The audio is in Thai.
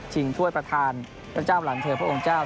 ชิงท่วยประธานพระเจ้าหลังเถอร์พระองค์เจ้า